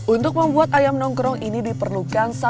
untuk membuat ayam nongkrong ini diperlukan